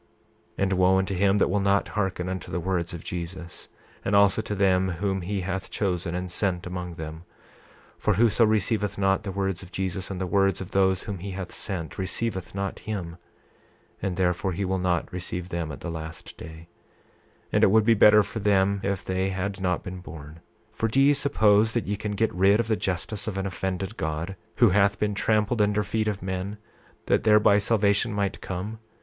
28:34 And wo be unto him that will not hearken unto the words of Jesus, and also to them whom he hath chosen and sent among them; for whoso receiveth not the words of Jesus and the words of those whom he hath sent receiveth not him; and therefore he will not receive them at the last day; 28:35 And it would be better for them if they had not been born. For do ye suppose that ye can get rid of the justice of an offended God, who hath been trampled under feet of men, that thereby salvation might come?